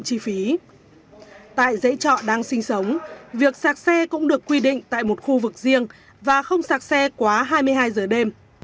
sinh sống việc sạc xe cũng được quy định tại một khu vực riêng và không sạc xe quá hai mươi hai giờ đêm